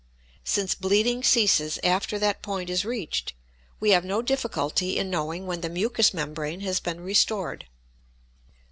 Since bleeding ceases after that point is reached, we have no difficulty in knowing when the mucous membrane has been restored.